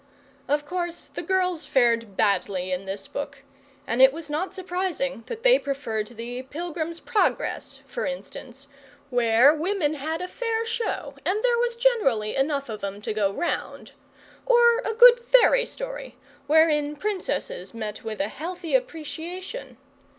Of course the girls fared badly in this book, and it was not surprising that they preferred the "Pilgrim's Progress" (for instance), where women had a fair show, and there was generally enough of 'em to go round; or a good fairy story, wherein princesses met with a healthy appreciation.